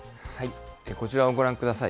こちらをご覧ください。